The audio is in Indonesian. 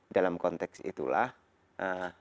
dalam konteks itulah ee